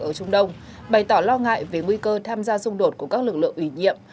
ở trung đông bày tỏ lo ngại về nguy cơ tham gia xung đột của các lực lượng ủy nhiệm